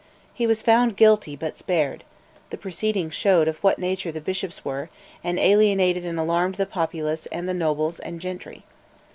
He was found guilty, but spared: the proceeding showed of what nature the bishops were, and alienated and alarmed the populace and the nobles and gentry.